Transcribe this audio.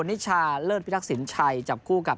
นิชาเลิศพิทักษิณชัยจับคู่กับ